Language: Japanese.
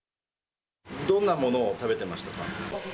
どんなものを食べてましたか？